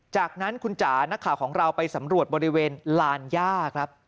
จากนั้นคุณจ๋านักข่าวของเราไปสำรวจบริเวณลานย่าครับ